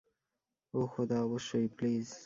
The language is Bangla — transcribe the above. ওহ খোদা, অবশ্যই প্লিজ।